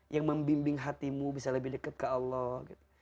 yang membimbing hatimu bisa lebih dekat ke allah gitu